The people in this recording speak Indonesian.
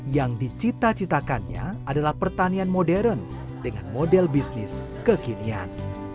yang dicita citakannya adalah pertanian modern dengan model bisnis kekinian